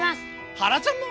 はらちゃんも？